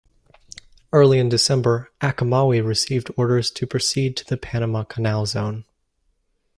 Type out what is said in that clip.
Early in December, "Achomawi" received orders to proceed to the Panama Canal Zone.